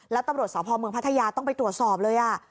แล้วตำรวจสพเมืองพัทยาต้องไปตรวจสอบเลย